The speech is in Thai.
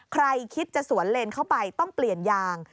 ใครคิดจะสวนเลนเข้าไปต้องเปลี่ยนยาง